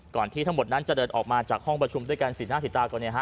ก่อนที่ทั้งหมดนั้นจะเดินออกมาจากห้องประชุมด้วยการสินห้าสิตาก่อน